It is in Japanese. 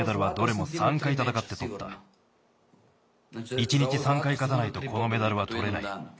一日３かいかたないとこのメダルはとれない。